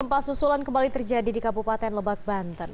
gempa susulan kembali terjadi di kabupaten lebak banten